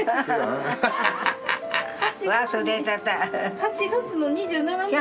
８月の２７日で。